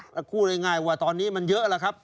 มาพูดได้ไงวะตอนนี้มันเยอะหรือครับ